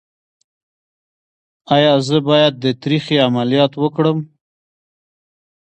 ایا زه باید د تریخي عملیات وکړم؟